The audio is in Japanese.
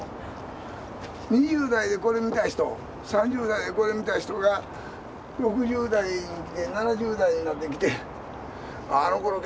２０代でこれ見た人３０代でこれ見た人が６０代７０代になってきてあのころ元気やったなと。